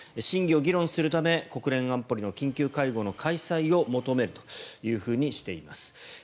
審議を議論するため国連安保理の緊急会合の開催を求めるとしています。